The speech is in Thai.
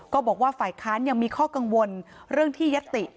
ก็บอกว่าไฟค้านยังมีข้อกลางวนเรื่องที่ยติ